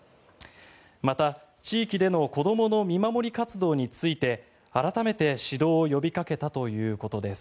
また、地域での子どもの見守り活動について改めて指導を呼びかけたということです。